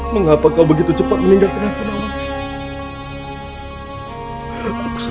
mengapa kau begitu cepat meninggalkan aku nawang sih